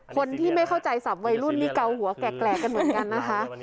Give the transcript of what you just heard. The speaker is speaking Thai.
คนที่ไม่เข้าใจศัพท์วัยรุ่นนี่เกาหัวแกรกกันเหมือนกันนะคะ